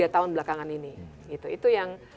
tiga tahun belakangan ini itu yang